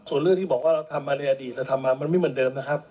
ส่วนเรื่องที่บอกว่าเราทำมาในอดีตเราทำมามันไม่เหมือนเดิมนะครับ